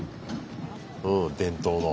うん伝統の。